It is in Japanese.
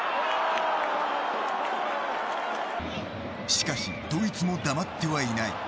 しかしドイツも黙ってはいない。